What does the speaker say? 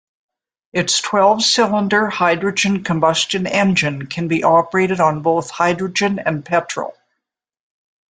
It's twelve-cylinder hydrogen combustion engine can be operated on both hydrogen and petrol.